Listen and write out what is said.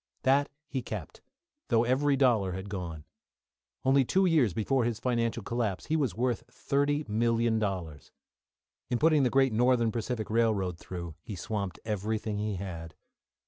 That he kept, though every dollar had gone. Only two years before his financial collapse he was worth $30,000,000. In putting the great Northern Pacific Railroad through he swamped everything he had.